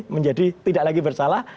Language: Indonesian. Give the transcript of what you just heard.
menjadi tidak lagi bersalah